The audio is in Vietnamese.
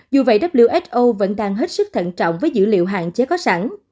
dù vậy who vẫn đang hết sức thận trọng với dữ liệu hạn chế có sẵn